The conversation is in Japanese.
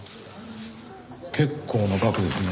結構な額ですね。